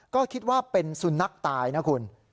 ก็คิดว่าเป็นสุนัขตายนะคุณ